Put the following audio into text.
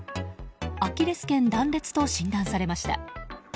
アキレス腱断裂と診断されました。